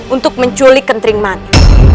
untuk menculik kentrinkmani